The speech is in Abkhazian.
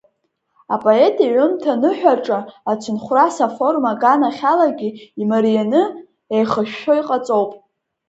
Апоет иҩымҭа Аныҳәаҿа ацынхәрас аформа аганахьалагьы имарианы, еихышәшәо иҟаҵоуп.